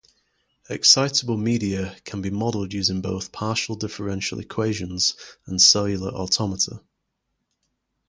Excitable media can be modelled using both partial differential equations and cellular automata.